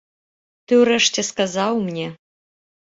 Ты ўрэшце сказаў мне.